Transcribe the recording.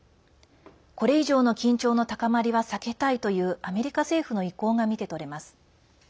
これ以上の緊張の高まりは避けたいというアメリカ政府の意向が見て取れます。